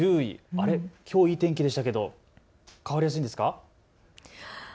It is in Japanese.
あれ、きょういい天気でしたけど変わりやすいんですか。